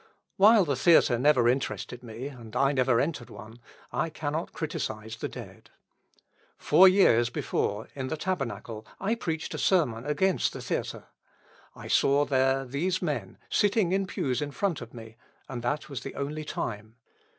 While the Theatre never interested me, and I never entered one, I cannot criticise the dead. Four years before in the Tabernacle I preached a sermon against the Theatre. I saw there these men, sitting in pews in front of me, and that was the only time.